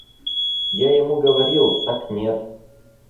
Я ему говорил, так нет.